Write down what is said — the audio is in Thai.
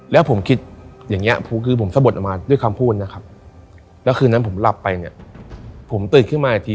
แล้วผมคิดอย่างนี้คือผมสะบดออกมาด้วยคำพูดนะครับแล้วคืนนั้นผมหลับไปเนี่ยผมตื่นขึ้นมาอีกที